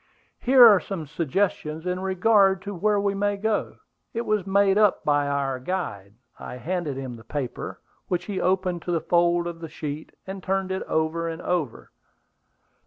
"Here are some suggestions in regard to where we may go; it was made up by our guide;" and I handed him the paper, which he opened to the fold of the sheet, and turned it over and over.